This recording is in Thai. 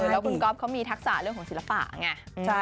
แล้วคุณก๊อฟเขามีทักษะเรื่องของศิลปะไง